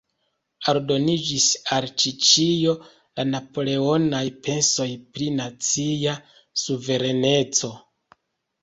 Aldoniĝis al ĉi-ĉio la napoleonaj pensoj pri nacia suvereneco.